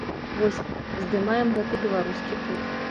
Вось, здымаем гэты беларускі тур.